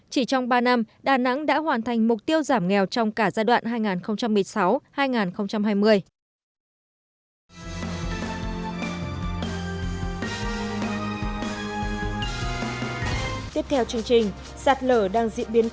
chỉ trong ba năm đà nẵng đã hoàn thành mục tiêu giảm nghèo trong cả giai đoạn hai nghìn một mươi sáu hai nghìn hai mươi